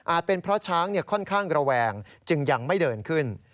เป็นเพราะช้างค่อนข้างระแวงจึงยังไม่เดินขึ้น